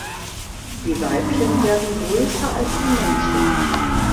Die Weibchen werden größer als die Männchen.